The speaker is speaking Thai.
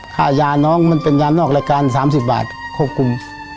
ค่ายาน้องมันเป็นยานอกรายการ๓๐บาทควบคุม